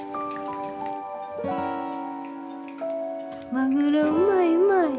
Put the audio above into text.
マグロうまいうまい。